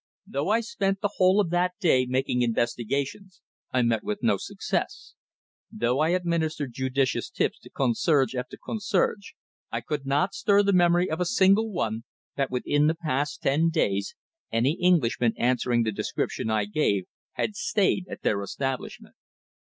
Though I spent the whole of that day making investigations I met with no success. Though I administered judicious tips to concierge after concierge, I could not stir the memory of a single one that within the past ten days any English gentleman answering the description I gave had stayed at their establishment.